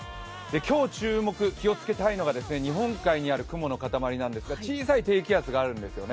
今日、注目、気をつけたいのが日本海にある雲のかたまりなんですが、小さい低気圧があるんですよね。